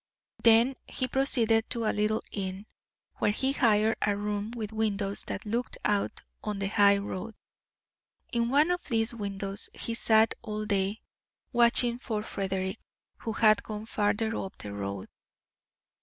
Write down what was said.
Then he proceeded to a little inn, where he hired a room with windows that looked out on the high road. In one of these windows he sat all day, watching for Frederick, who had gone farther up the road.